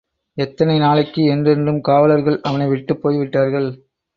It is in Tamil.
எத்தனை நாளைக்கு? என்றென்றும்! காவலர்கள் அவனைவிட்டுப் போய்விட்டார்கள்.